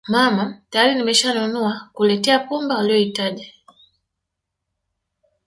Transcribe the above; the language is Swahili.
mama tayari nimeshanunua kuletea pumba uliyohitaji